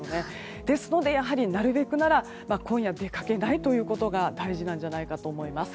ですので、やはりなるべくなら今夜出かけないということが大事なんじゃないかと思います。